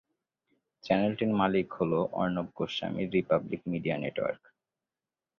চ্যানেলটির মালিক হল অর্ণব গোস্বামীর রিপাবলিক মিডিয়া নেটওয়ার্ক।